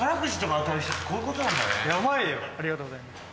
ヤバいよありがとうございます